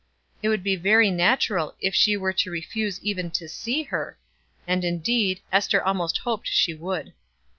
It would be very natural if she should refuse even to see her and, indeed, Ester almost hoped she would.